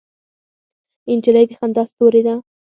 نجلۍ د خندا ستورې ده.